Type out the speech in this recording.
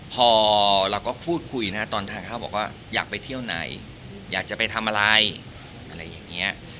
พอเราก็พูดคุยนะตอนทานข้าวบอกว่าอยากไปเที่ยวไหนอยากจะไปทำอะไรอะไรอย่างนี้